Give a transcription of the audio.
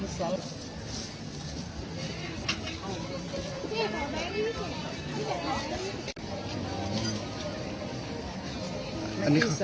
อร่อยมากครับ